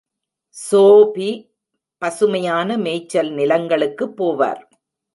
Sophie பசுமையான மேய்ச்சல் நிலங்களுக்கு போவார்.